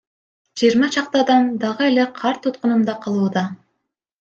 Жыйырма чакты адам дагы эле кар туткунунда калууда.